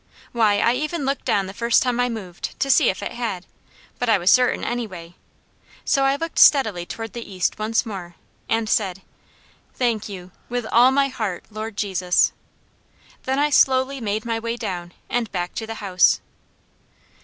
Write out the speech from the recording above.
Why, I even looked down the first time I moved, to see if I had it; but I was certain anyway. So I looked steadily toward the east once more and said, "Thank you, with all my heart, Lord Jesus," then I slowly made my way down and back to the house.